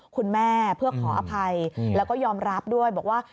คุณแม่เพื่อขออภัยและก็ยอมรับด้วย